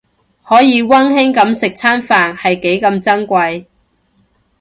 可以溫馨噉食餐飯係幾咁珍貴